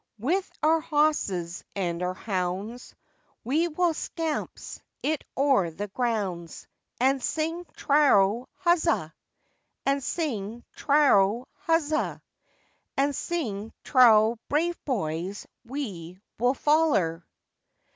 Cho. With our hosses and our hounds, We will scamps it o'er the grounds, And sing traro, huzza! And sing traro, huzza! And sing traro, brave boys, we will foller.